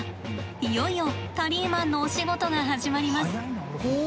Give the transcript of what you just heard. いよいよタリーマンのお仕事が始まります。